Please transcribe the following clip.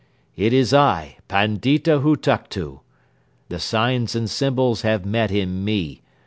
It is I, Pandita Hutuktu! The signs and symbols have met in me.